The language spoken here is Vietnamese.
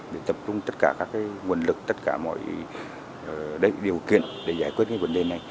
để tập trung tất cả các nguồn lực tất cả mọi điều kiện để giải quyết cái vấn đề này